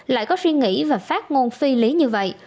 lại có suy nghĩ và phát ngôn phi lý như vậy